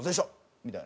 みたいな。